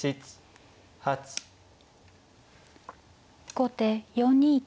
後手４二金。